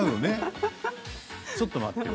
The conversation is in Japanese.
ちょっと待ってよ。